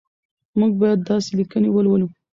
موږ باید داسې لیکنې ولولو.